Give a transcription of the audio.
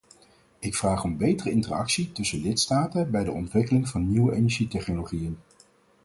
Ik vraag om betere interactie tussen lidstaten bij de ontwikkeling van nieuwe energietechnologieën.